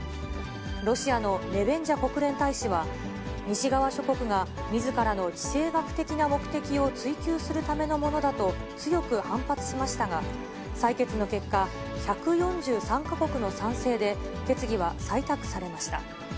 ロシアのネベンジャ国連大使は、西側諸国がみずからの地政学的な目的を追求するためのものだと強く反発しましたが、採決の結果、１４３か国の賛成で決議は採択されました。